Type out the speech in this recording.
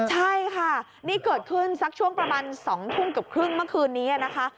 ใช่ค่ะนี่เกิดขึ้นสักช่วงประมาณ๒ทุ่มกับครึ่งเมื่อคืนนี้นะคะ